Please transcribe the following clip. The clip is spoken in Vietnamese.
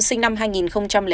sinh năm hai nghìn bốn